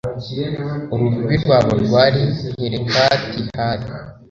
urubibi rwabo rwari helekati, hali